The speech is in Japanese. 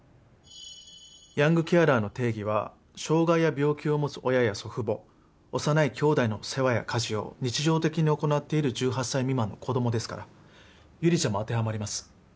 ヤングケアラーの定義は障害や病気を持つ親や祖父母幼いきょうだいの世話や家事を日常的に行っている１８歳未満の子どもですから悠里ちゃんも当てはまります。